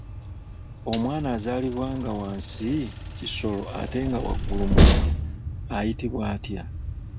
Omwana azaalibwa nga wansi kisolo ate nga waggulu muntu ayitibwa atya?